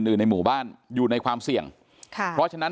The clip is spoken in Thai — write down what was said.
ในหมู่บ้านอยู่ในความเสี่ยงค่ะเพราะฉะนั้น